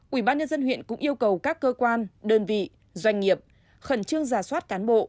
ủy ban nhân dân huyện cũng yêu cầu các cơ quan đơn vị doanh nghiệp khẩn trương giả soát cán bộ